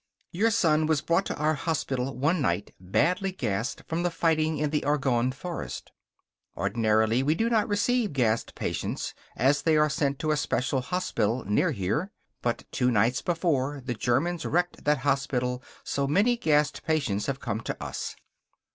Your son was brought to our hospital one night badly gassed from the fighting in the Argonne Forest. Ordinarily we do not receive gassed patients, as they are sent to a special hospital near here. But two nights before, the Germans wrecked that hospital, so many gassed patients have come to us.